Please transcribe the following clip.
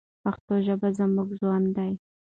پښتو ژبه زموږ ژوند دی.